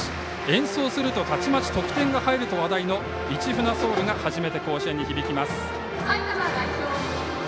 演奏するとたちまち得点が入ると話題の「市船ソウル」が初めて甲子園に響きます。